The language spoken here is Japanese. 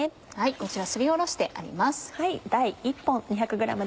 こちらすりおろしてあります。